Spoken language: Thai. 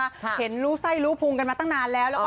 และเห็นรู้ใส่รู้ภูมิกันมาตั้งนานแล้ว